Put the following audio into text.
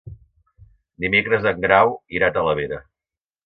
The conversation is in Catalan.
Dimecres en Grau irà a Talavera.